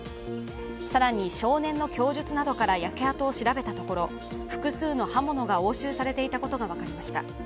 更に少年の供述などから焼け跡を調べたところ複数の刃物が押収されていたことが分かりました。